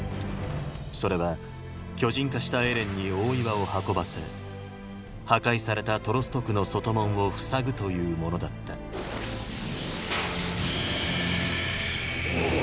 それは巨人化したエレンに大岩を運ばせ破壊されたトロスト区の外門を塞ぐというものだったおおぉ！